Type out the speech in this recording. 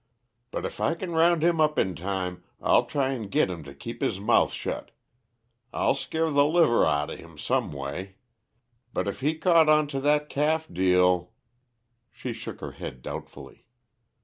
"But if I can round him up in time, I'll try and git him to keep his mouth shet. I'll scare the liver outa him some way. But if he caught onto that calf deal " She shook her head doubtfully.